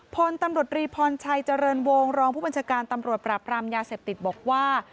พลตำรวจรีพรชัยเจริญวงรองผู้บัญชาการตำรวจปราบรามยาเสพติดบอกว่า